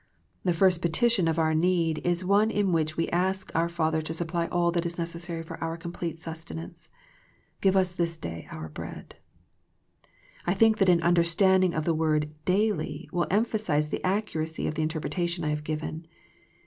The first petition of our need is one in which we ask our Father to supply all that is necessary for our complete sustenance " Give us this day our bread." I think that an understanding of the word " daily " will emphasize the accuracy of the in terpretation I have given.